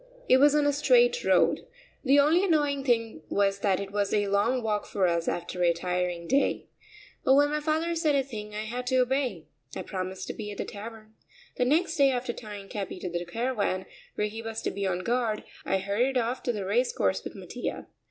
It was on a straight road. The only annoying thing was that it was a long walk for us after a tiring day. But when my father said a thing I had to obey. I promised to be at the Tavern. The next day, after tying Capi to the caravan, where he was to be on guard, I hurried off to the race course with Mattia.